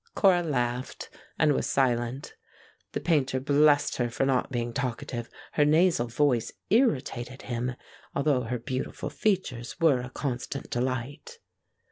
Cora laughed, and was silent. The Painter blessed her for not being talkative; her nasal voice irritated him, although her beautiful features were a constant delight.